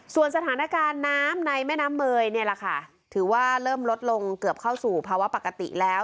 ส่วนสถานการณ์น้ำในแม่น้ำเมยเนี่ยแหละค่ะถือว่าเริ่มลดลงเกือบเข้าสู่ภาวะปกติแล้ว